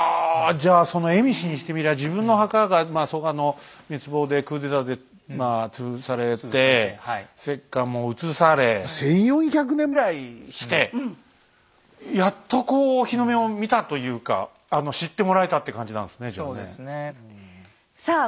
じゃあその蝦夷にしてみりゃ自分の墓が蘇我の滅亡でクーデターでまあ潰されて石棺も移され１，４００年ぐらいしてやっとこう日の目を見たというか知ってもらえたって感じなんですねじゃあ。